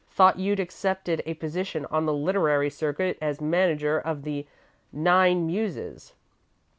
Thought you'd accepted a position on the literary circuit as manager of the nine muses!